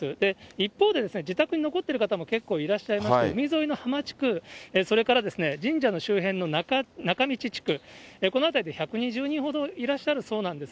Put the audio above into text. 一方で、自宅に残ってる方も結構いらっしゃいまして、海沿いのはま地区、それから神社の周辺の仲道地区、この辺りで１２０人ほどいらっしゃるそうなんです。